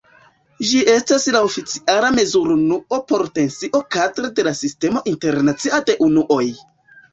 Ĝi estas la oficiala mezurunuo por tensio kadre de la Sistemo Internacia de Unuoj.